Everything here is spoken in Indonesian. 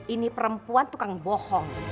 ini perempuan tukang bohong